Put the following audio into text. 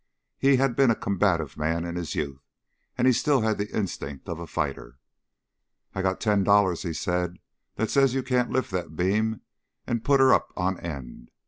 He had been a combative man in his youth; and he still had the instinct of a fighter. "I got ten dollars," he said, "that says you can't lift that beam and put her up on end!